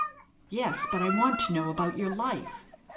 "Yes, but I want to know about your life.